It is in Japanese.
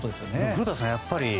古田さん